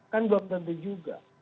kan belum tentu juga